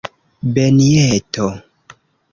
benjeto